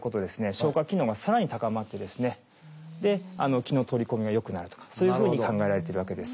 消化機能がさらに高まってですね気の取り込みが良くなるとかそういうふうに考えられてるわけです。